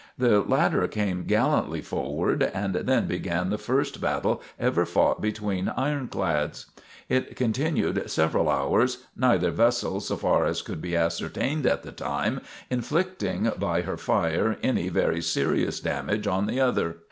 The latter came gallantly forward, and then began the first battle ever fought between ironclads. It continued several hours, neither vessel, so far as could be ascertained at the time, inflicting by her fire any very serious damage on the other.